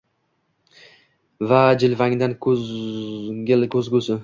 Va jilvangdan ko’ngil ko’zgusi